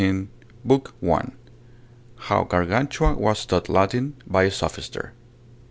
How Gargantua was taught Latin by a Sophister.